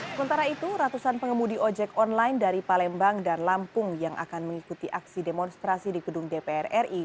sementara itu ratusan pengemudi ojek online dari palembang dan lampung yang akan mengikuti aksi demonstrasi di gedung dpr ri